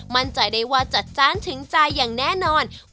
มั่นใจได้ว่าจัดจ้านถึงใจอย่างแน่นอน